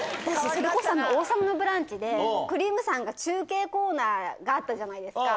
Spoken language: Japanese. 王様のブランチで、くりぃむさんが中継コーナーあったじゃないですか。